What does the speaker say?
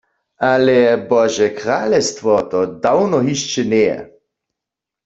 Ale Bože kralestwo to dawno hišće njeje.